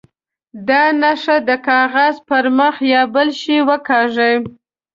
دا نښه د کاغذ پر مخ یا بل شي وکاږي.